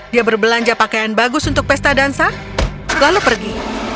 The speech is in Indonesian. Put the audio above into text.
dia berbelanja pakaian bagus untuk pesta dansa lalu pergi